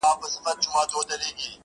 ستا د نظر پلويان څومره په قـهريــږي راته.